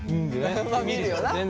まあ見るよな？